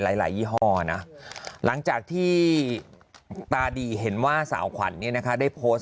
หลายยี่ห้อนะหลังจากที่ตาดีเห็นว่าสาวขวัญเนี่ยนะคะได้โพสต์